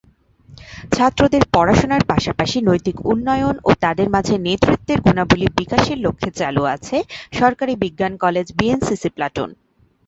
ছাত্রদের পড়াশোনার পাশাপাশি নৈতিক উন্নয়ন ও তাদের মাঝে নেতৃত্বের গুণাবলী বিকাশের লক্ষে চালু আছে সরকারি বিজ্ঞান কলেজ বিএনসিসি প্লাটুন।